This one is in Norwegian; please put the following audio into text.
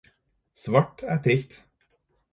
Svart er trist.